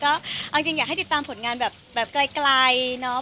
ก็เอาจริงอยากให้ติดตามผลงานแบบไกลเนาะ